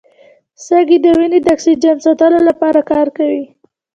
سږي د وینې د اکسیجن ساتلو لپاره کار کوي.